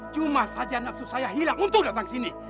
cuma saja nafsu saya hilang untuk datang sini